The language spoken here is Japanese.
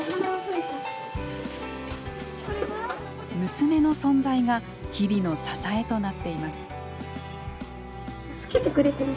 娘の存在が日々の支えとなっています。